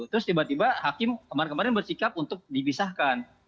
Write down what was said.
terus tiba tiba hakim kemarin kemarin bersikap untuk dibisahkan